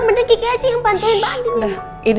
mending kiki aja yang bantuin mbak andi